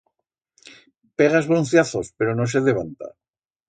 Pega esbrunciazos pero no se devanta.